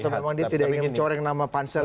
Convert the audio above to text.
atau memang dia tidak ingin mencoreng nama pansel